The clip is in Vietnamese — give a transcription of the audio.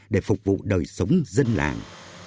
để phục vụ đời sống dân làng